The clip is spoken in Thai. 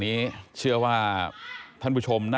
ไอ้แม่ได้เอาแม่ดูนะ